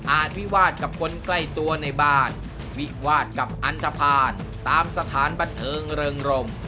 วิวาสกับคนใกล้ตัวในบ้านวิวาดกับอันทภาณตามสถานบันเทิงเริงรม